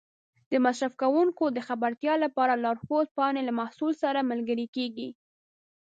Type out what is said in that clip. د مصرف کوونکو د خبرتیا لپاره لارښود پاڼې له محصول سره ملګري کېږي.